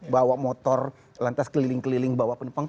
bawa motor lantas keliling keliling bawa penumpang